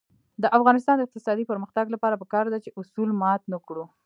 د افغانستان د اقتصادي پرمختګ لپاره پکار ده چې اصول مات نکړو.